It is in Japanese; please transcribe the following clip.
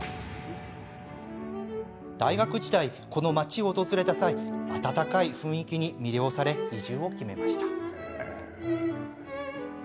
大学時代、この町を訪れた際温かい雰囲気に魅了され移住を決めました。